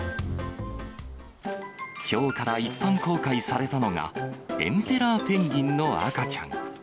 きょうから一般公開されたのが、エンペラーペンギンの赤ちゃん。